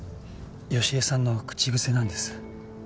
佳恵さんの口癖なんです。